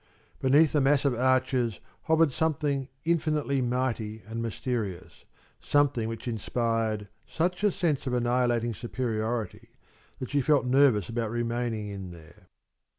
Beneath the massive arches hovered something infinitely mighty and mysterious, something which inspired such a sense of annihilating superiority that she felt nervous about remaining in there.